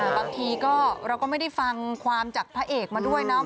บางทีก็เราก็ไม่ได้ฟังความจากพระเอกมาด้วยนะ